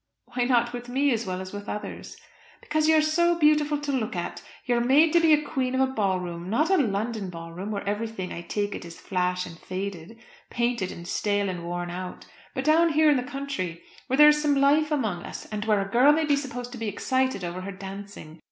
"Why not with me as well as with others?" "Because you are so beautiful to look at. You are made to be queen of a ball room; not a London ball room, where everything, I take it, is flash and faded, painted and stale, and worn out; but down here in the country, where there is some life among us, and where a girl may be supposed to be excited over her dancing.